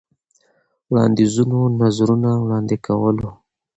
وړاندیزونو ، نظرونه وړاندې کولو.